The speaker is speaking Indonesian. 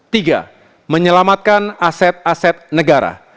tiga menyelamatkan aset aset negara